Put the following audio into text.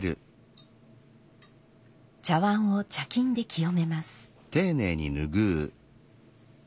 茶碗を茶巾で清めます。